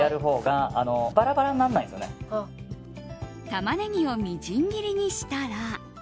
タマネギをみじん切りにしたら。